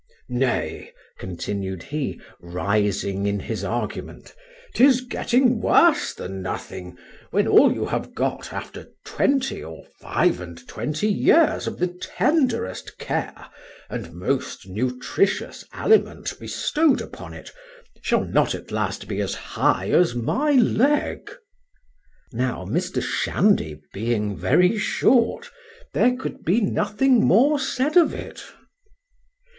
—Nay, continued he, rising in his argument, 'tis getting worse than nothing, when all you have got after twenty or five and twenty years of the tenderest care and most nutritious aliment bestowed upon it, shall not at last be as high as my leg. Now, Mr. Shandy being very short, there could be nothing more said of it.